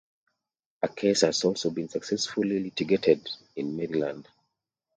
A case has also been successfully litigated in Maryland.